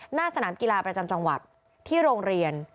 หน้าสนามกีฬาประจำจังหวัดที่โรงเรียน